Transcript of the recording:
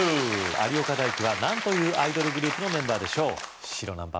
有岡大貴は何というアイドルグループのメンバー白何番？